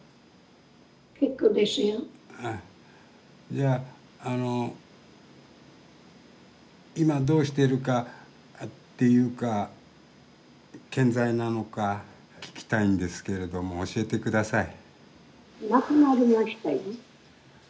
じゃああの今どうしてるかっていうか健在なのか聞きたいんですけれども教えて下さい。